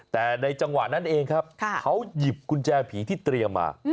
แต่ในจังหวะนั้นเองครับเขาหยิบกุญแจผีที่เตรียมมา